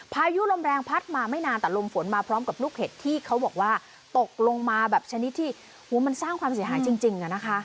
พายุลมแรงพัดมาไม่นานแต่ลมฝนมาพร้อมกับลูกเห็ดที่เขาบอกว่าตกลงมาแบบชนิดที่มันสร้างความเสียหายจริง